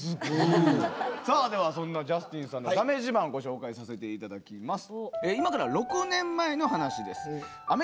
さあではそんなジャスティンさんのだめ自慢ご紹介させていただきます。